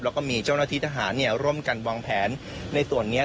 แล้วก็มีเจ้าหน้าที่ทหารร่วมกันวางแผนในส่วนนี้